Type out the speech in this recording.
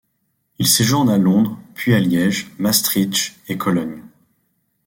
Il séjourne à Londres, puis à Liège, Maestricht et Cologne.